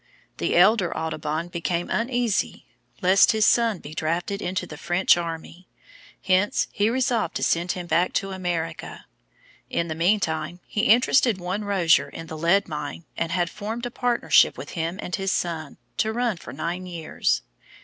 The elder Audubon became uneasy lest his son be drafted into the French army; hence he resolved to send him back to America. In the meantime, he interested one Rozier in the lead mine and had formed a partnership between him and his son, to run for nine years.